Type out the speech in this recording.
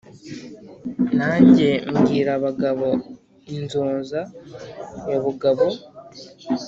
Nanjye mbwira abagabo inzoza* ya Bugabo.